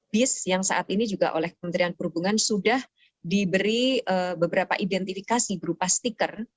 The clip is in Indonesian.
bis yang saat ini juga oleh kementerian perhubungan sudah diberi beberapa identifikasi berupa stiker